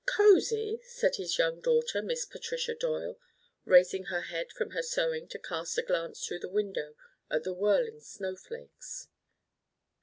"Cosy?" said his young daughter, Miss Patricia Doyle, raising her head from her sewing to cast a glance through the window at the whirling snowflakes.